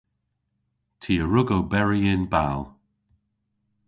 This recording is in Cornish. Ty a wrug oberi yn bal.